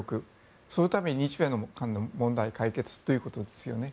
そのために日米韓の問題解決ということですよね。